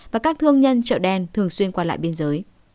và các thương nhân chợ đen thường xuyên qua lại biên giới